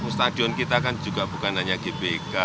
stadion kita kan juga bukan hanya gbk